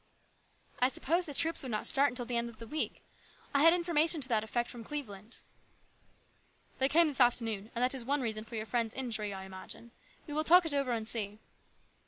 " I supposed the troops would not start until the end of the week. I had information to that effect from Cleveland." " They came this afternoon, and that is one reason for your friend's injury, I imagine. We will talk it over and see."